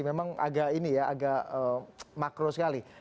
memang agak ini ya agak makro sekali